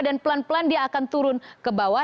dan pelan pelan dia akan turun ke bawah